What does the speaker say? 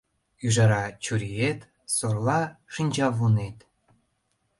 Ӱжара — чуриет, сорла — шинчавунет.